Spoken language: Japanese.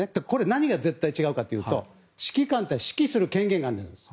何が絶対に違うかというと指揮官は指揮する権限があるんです。